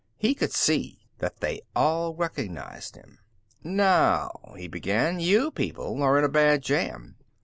He could see that they all recognized him. "Now," he began, "you people are in a bad jam.